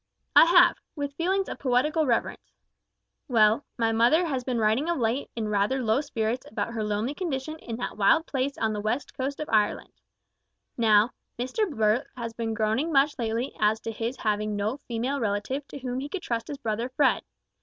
"I have with feelings of poetical reverence," answered Pax. "Well, my mother has been writing of late in rather low spirits about her lonely condition in that wild place on the west coast of Ireland. Now, Mr Blurt has been groaning much lately as to his having no female relative to whom he could trust his brother Fred.